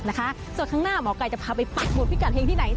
นะคะส่วนข้างหน้าหมอไก่จะพาไปปากบุตรพิกัณห์เฮงที่ไหน